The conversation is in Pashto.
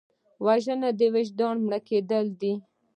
وژنه د وجدان مړه کېدل دي